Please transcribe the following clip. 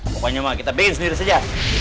pokoknya kita bikin sendiri saja